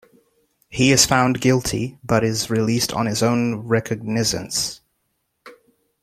He is found guilty, but is released on his own recognizance.